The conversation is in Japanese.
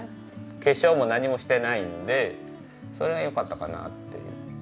化粧も何もしてないんでそれが良かったかなって。